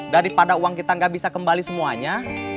daripada uang kita nggak bisa kembali semuanya